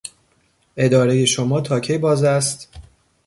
ادارهی شما تا کی باز است؟